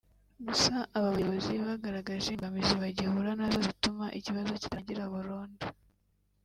Gusa aba bayobozi bagaragaje imbogamizi bagihura nazo zituma ikibazo kitarangira burundu